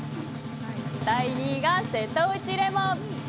第２位が瀬戸内レモン。